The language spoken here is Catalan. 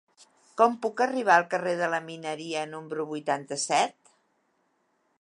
Com puc arribar al carrer de la Mineria número vuitanta-set?